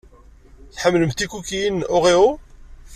Tḥemmlemt tikukiyin n Oreo?